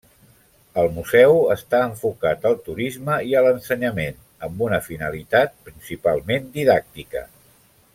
El museu està enfocat al turisme i a l'ensenyament, amb una finalitat principalment didàctica.